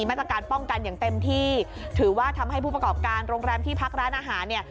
มาตรการป้องกันอย่างเต็มที่ถือว่าทำให้ผู้ประกอบการโรงแรมที่พักร้านอาหารเนี่ย